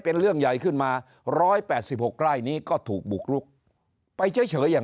เป็นเรื่องใหญ่ขึ้นมา๑๘๖ไร่นี้ก็ถูกบุกรุกไปเฉยอย่าง